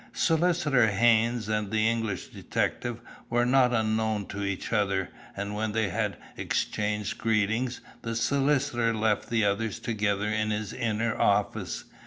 Solicitor Haynes and the English detective were not unknown to each other, and when they had exchanged greetings, the solicitor left the others together in his inner office.